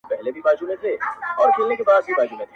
o کنې ولاړو له بارانه؛ تر ناوې لاندي مو شپه ده,